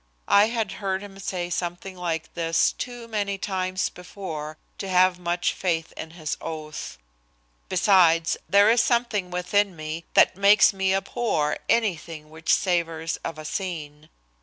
I had heard him say something like this too many times before to have much faith in his oath. Besides, there is something within me that makes me abhor anything which savors of a scene.